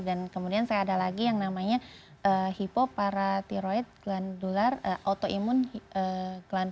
dan kemudian saya ada lagi yang namanya hipoparathyroid glandular autoimun